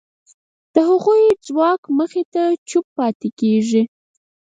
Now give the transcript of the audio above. هغوی د ځواک مخې ته چوپ پاتې کېږي.